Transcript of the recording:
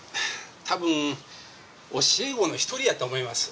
たぶん教え子の１人やと思います。